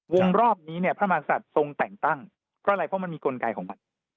รอบนี้เนี่ยพระมหาศัตริย์ทรงแต่งตั้งเพราะอะไรเพราะมันมีกลไกของมัน